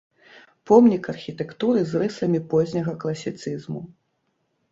Помнік архітэктуры з рысамі позняга класіцызму.